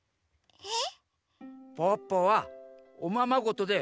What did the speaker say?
えっ？